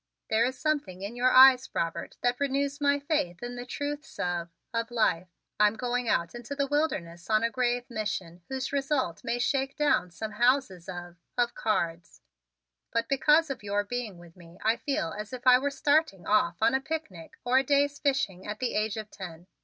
"There is something in your eyes, Robert, that renews my faith in the truths of of life. I'm going out into the wilderness on a grave mission whose result may shake down some houses of of cards, but because of your being with me I feel as if I were starting off on a picnic or a day's fishing at the age of ten.